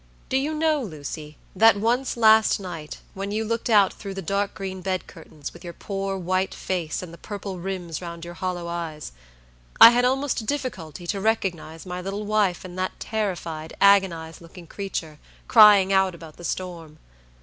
Do you know, Lucy, that once last night, when you looked out through the dark green bed curtains, with your poor, white face, and the purple rims round your hollow eyes, I had almost a difficulty to recognize my little wife in that terrified, agonized looking creature, crying out about the storm.